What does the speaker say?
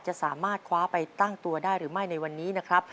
จะสามารถคว้าไปตั้งตัวได้หรือไม่ในวันนี้นะครับ